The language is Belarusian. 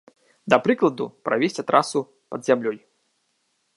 Да прыкладу, правесці трасу пад зямлёй.